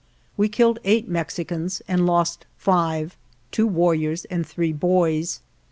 We killed eight Mexicans and lost five — two warriors and three boys.